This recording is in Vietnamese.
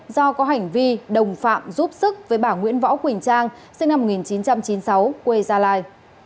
do có hành vi đồng phạm giúp sức với bà nguyễn võ quỳnh trang sinh năm một nghìn chín trăm chín mươi sáu quê gia lai